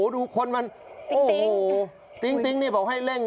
ดูคนมันโอ้โหติ๊งนี่บอกให้เร่ง